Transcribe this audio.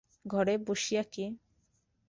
ঘরে বসিয়া কে!